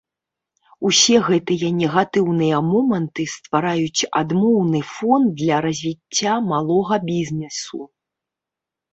Усе гэтыя негатыўныя моманты ствараюць адмоўны фон для развіцця малога бізнесу.